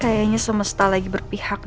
kayaknya semesta lagi berpihak ke gue